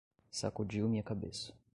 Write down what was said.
Sacudiu minha cabeça